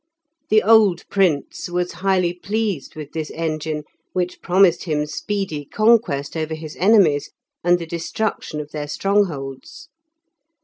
The old Prince was highly pleased with this engine, which promised him speedy conquest over his enemies, and the destruction of their strongholds.